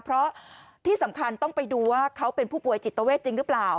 เพราะที่สำคัญต้องไปดูว่าเขาเป็นผู้ป่วยจิตเวทจริงหรือเปล่า